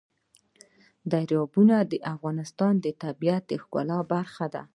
دریابونه د افغانستان د طبیعت د ښکلا برخه ده.